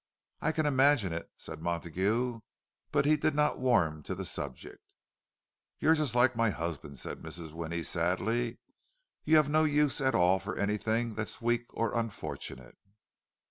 "I can imagine it," said Montague; but he did not warm to the subject. "You're just like my husband," said Mrs. Winnie, sadly. "You have no use at all for anything that's weak or unfortunate."